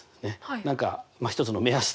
何か一つの目安としてね。